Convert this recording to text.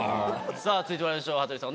さぁ続いてまいりましょう羽鳥さん